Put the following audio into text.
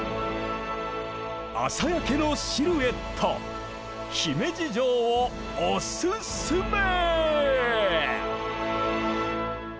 朝焼けのシルエット姫路城をオススメ。